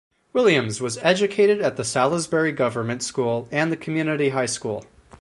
Williams was educated at the Salisbury Government School and the Community High School.